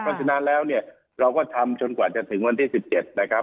เพราะฉะนั้นแล้วเนี่ยเราก็ทำจนกว่าจะถึงวันที่๑๗นะครับ